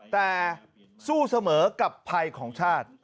แต่สู้เสมอกับภัยของชาติ